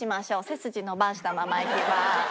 背筋伸ばしたままいきます。